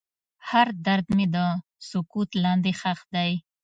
هر درد مې د سکوت لاندې ښخ دی.